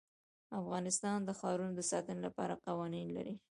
افغانستان د ښارونه د ساتنې لپاره قوانین لري.